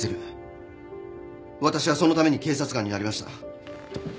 私はそのために警察官になりました。